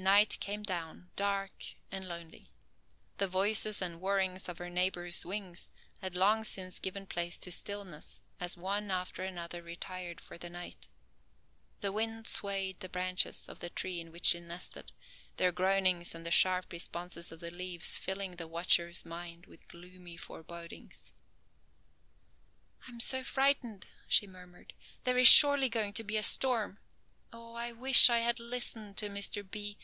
Night came down, dark and lonely. The voices and whirrings of her neighbors' wings had long since given place to stillness as one after another retired for the night. The wind swayed the branches of the tree in which she nested, their groanings and the sharp responses of the leaves filling the watcher's mind with gloomy forebodings. "I am so frightened," she murmured, "there is surely going to be a storm. Oh, I wish I had listened to Mr. B.